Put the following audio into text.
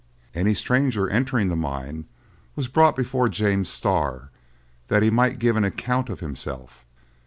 Any stranger entering the mine was brought before James Starr, that he might give an account of himself.